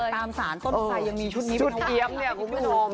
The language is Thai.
ตามสารต้นไสยังมีชุดนี้คุณเอี๊ยบเนี่ยคุณผู้ชม